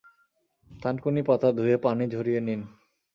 থানকুনি পাতা ধুয়ে পানি ঝরিয়ে নিন।